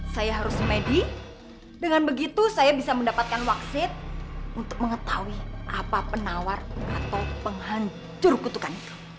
saya harus medi dengan begitu saya bisa mendapatkan waksit untuk mengetahui apa penawar atau penghancur kutukan itu